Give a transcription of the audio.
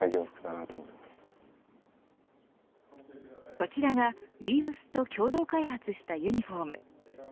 こちらがＢＥＡＭＳと共同開発したユニホーム。